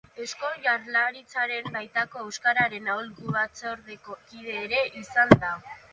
Eusko Jaurlaritzaren baitako Euskararen Aholku Batzordeko kide ere izan da.